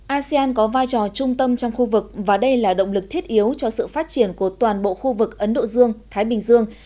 asean có vai trò trung tâm trong khu vực và đây là động lực thiết yếu cho sự phát triển của toàn bộ khu vực ấn độ dương thái bình dương